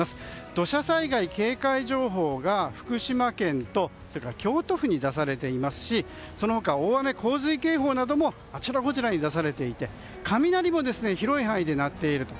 土砂災害警戒情報が福島県と京都府に出されていますしその他、大雨・洪水警報などもあちらこちらに出されていて雷も広い範囲で鳴っていると。